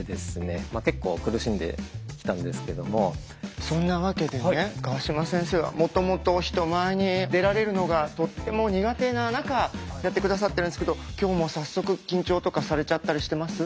僕はそんなわけでね川島先生はもともと人前に出られるのがとっても苦手な中やって下さってるんですけど今日も早速緊張とかされちゃったりしてます？